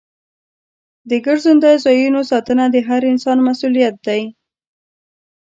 د ګرځندوی ځایونو ساتنه د هر انسان مسؤلیت دی.